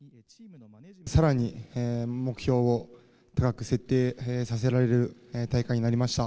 さらに目標を高く設定させられる大会になりました。